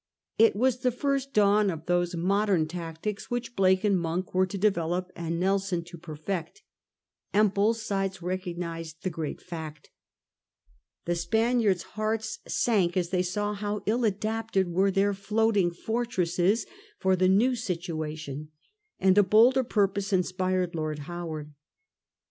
It was the first dawn of those modem tactics which Blake and Mon k_were to develop and Nelso n to p erfect,_and both sidej recogmaedihe great fact The Spaniards' hearts sank as they saw how ill adapted were their floating fortresses for the new situa tion, and a bolder purpose inspired Lord Howard.